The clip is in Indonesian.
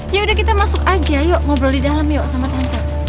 ya udah kita masuk aja yuk ngobrol di dalam yuk sama tante